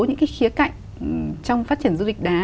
những cái khía cạnh trong phát triển du lịch đá